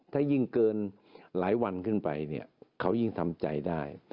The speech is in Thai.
ถ้ายิ่งเกินหลายวันขึ้นไปเนี่ยเขายิ่งทำใจได้